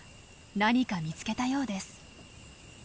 何か見つけたようです。